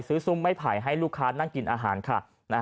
ซื้อซุ้มไม่ผ่ายให้ลูกค้านั่งกินอาหารค่ะ